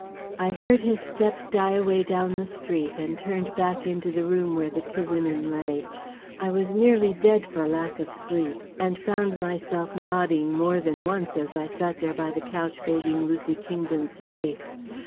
I heard his steps die away down the street, and turned back into the room where the two women lay. I was nearly dead for lack of sleep, and found myself nodding more than once, as I sat there by the couch bathing Lucy Kingdon's face.